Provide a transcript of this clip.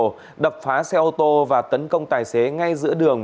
nhóm côn đồ đập phá xe ô tô và tấn công tài xế ngay giữa đường